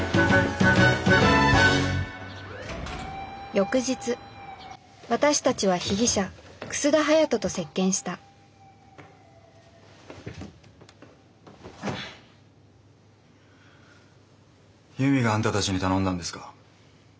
翌日私たちは被疑者楠田隼人と接見した悠美があんたたちに頼んだんですか？